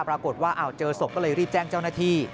ปรากฏว่าเจอศพก็เลยรีบแจ้งเจ้าหน้าที่